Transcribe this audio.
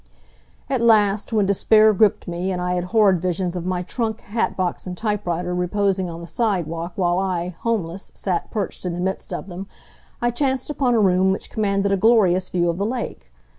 At last, when despair gripped me, and I had horrid visions of my trunk, hat box and typewriter reposing on the sidewalk while I, homeless, sat perched in the midst of them, I chanced upon a room which commanded a glorious view of the lake.